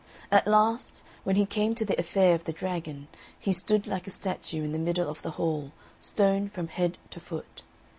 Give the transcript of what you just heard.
At last, when he came to the affair of the dragon, he stood like a statue in the middle of the hall, stone from head to foot.